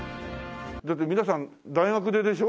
だって皆さん大学出でしょ？